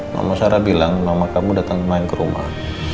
mama sarah bilang mama kamu datang main ke rumah